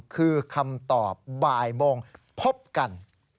คือคำตอบบ่ายโมงพบกัน